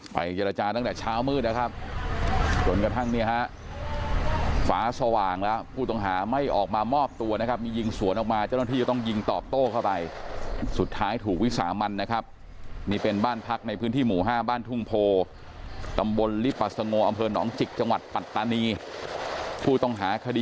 ไปเจรจาตั้งแต่เช้ามืดนะครับจนกระทั่งนี้ฟ้าสว่างแล้วผู้ต้องหาไม่ออกมามอบตัวนะครับมียิงสวนออกมาเจ้าหน้าที่ต้องยิงตอบโต้เข้าไปสุดท้ายถูกวิสาห์มันนะครับนี่เป็นบ้านพักในพื้นที่หมู่ห้าบ้านทุ่งโพตำบลลิปสง